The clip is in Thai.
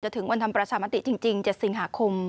ถึงวันทำประชามติจริง๗สิงหาคม